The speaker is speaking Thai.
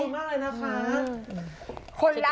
โอ้ขอบคุณมากเลยนะคะ